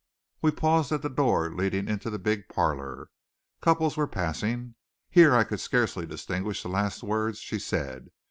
We paused at the door leading into the big parlor. Couples were passing. Here I could scarcely distinguish the last words she said.